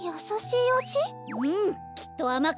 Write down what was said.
うんきっとあま